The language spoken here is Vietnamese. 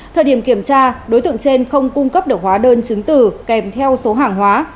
thời điểm kiểm tra đối tượng trên không cung cấp được hóa đơn chứng tử kèm theo số hàng hóa